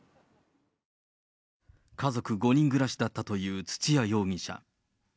家族５人暮らしだったという土屋容疑者。